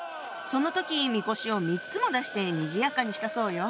その時みこしを３つも出してにぎやかにしたそうよ。